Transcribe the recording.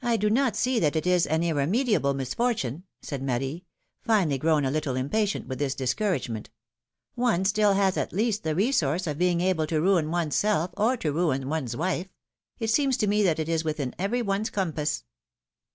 do not see that it is an irremediable misfortune," said Marie, finally grown a little impatient with this discouragement. '^One still has at least the resource of being able to ruin one's self, or to ruin one's wife! It seems to me that is within every one's compass